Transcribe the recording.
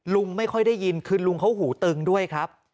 ลุงไม่ค่อยได้ยินคือลุงเขาหูตึงด้วยครับ